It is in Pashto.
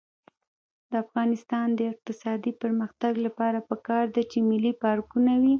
د افغانستان د اقتصادي پرمختګ لپاره پکار ده چې ملي پارکونه وي.